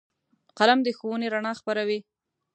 قلم د ښوونې رڼا خپروي